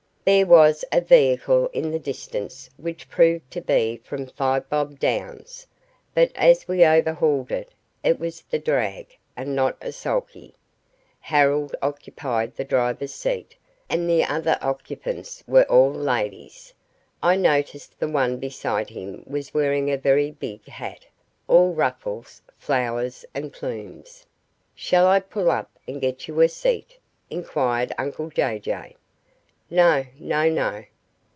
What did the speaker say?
There was a vehicle in the distance which proved to be from Five Bob Downs, but as we overhauled it, it was the drag, and not a sulky. Harold occupied the driver's seat, and the other occupants were all ladies. I noticed the one beside him was wearing a very big hat, all ruffles, flowers, and plumes. "Shall I pull up and get you a seat?" inquired uncle Jay Jay. "No, no, no."